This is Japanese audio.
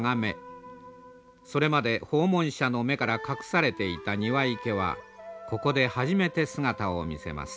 それまで訪問者の目から隠されていた庭池はここで初めて姿を見せます。